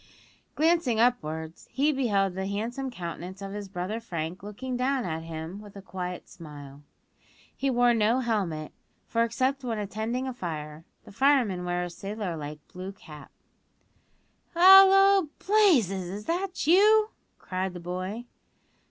Glancing upwards, he beheld the handsome countenance of his brother Frank looking down at him with a quiet smile. He wore no helmet, for except when attending a fire the firemen wear a sailor like blue cloth cap. "Hallo, Blazes! is that you?" cried the boy.